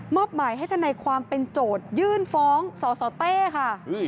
อบหมายให้ทนายความเป็นโจทยื่นฟ้องสสเต้ค่ะ